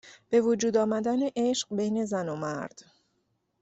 به وجود آمدن عشق بین زن و مرد